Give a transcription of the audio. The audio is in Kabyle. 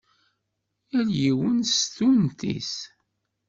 Yal yiwen s tunt-is.